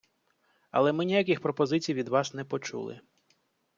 Але ми ніяких пропозицій від вас не почули.